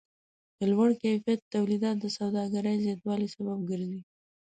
د لوړ کیفیت تولیدات د سوداګرۍ زیاتوالی سبب ګرځي.